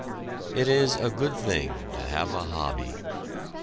It is a good thing to have a "hobby."